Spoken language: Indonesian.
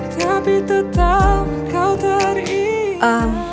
tapi tetap kau terima